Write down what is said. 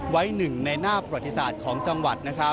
หนึ่งในหน้าประวัติศาสตร์ของจังหวัด